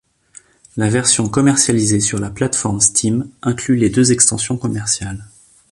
La version commercialisée sur la plateforme Steam inclut les deux extensions commerciales.